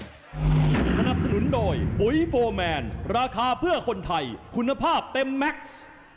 สนับสนุนโดยปุ๋ยโฟร์แมนราคาเพื่อคนไทยคุณภาพเต็มแม็กซ์